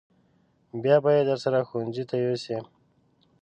بیا به یې درسره ښوونځي ته یوسې.